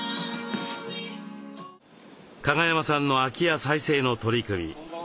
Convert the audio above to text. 加賀山さんの空き家再生の取り組み。